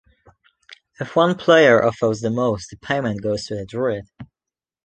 If one player offers the most, the payment goes to the druid.